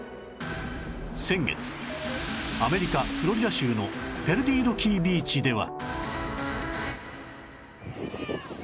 先月アメリカフロリダ州のペルディード・キー・ビーチでは